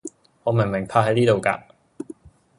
我明明泊係呢度架